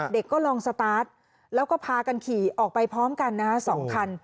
เด็กก็ลองสตาร์ทแล้วก็พากันขี่ออกไปพร้อมกัน๒คัน